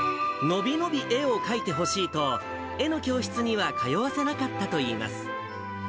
のびのび絵を描いてほしいと、絵の教室には通わせなかったといいます。